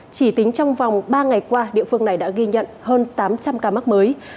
chỉ tính trong vòng ba ngày qua địa phương này đã ghi nhận hơn tám trăm linh ca mắc mới